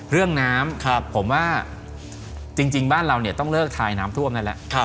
เรื่องน้ำผมว่าจริงบ้านเราเนี่ยต้องเลิกทายน้ำท่วมนั่นแหละ